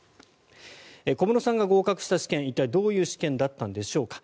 小室さんが合格した試験一体、どういう試験だったんでしょうか。